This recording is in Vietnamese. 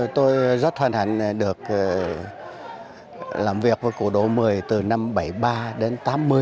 tôi rất hân hạnh được làm việc với cửa đỗ mười từ năm một nghìn chín trăm bảy mươi ba đến một nghìn chín trăm tám mươi